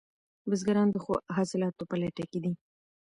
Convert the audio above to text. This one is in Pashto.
بزګران د ښو حاصلاتو په لټه کې دي.